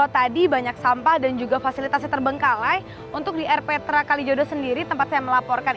tampak dan juga fasilitasnya terbengkalai untuk di rptra kalijodo sendiri tempat yang melaporkan